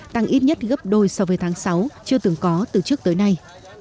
tăng ít nhất gấp đôi so với tháng sáu chưa từng có từ trước tới nay